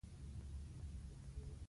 کیدای شي، موږ ته خطر پیښ نکړي.